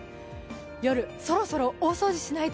夜、そろそろ大掃除しないと。